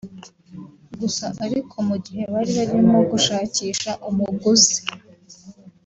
Gusa ariko mu gihe bari barimo gushakisha umuguzi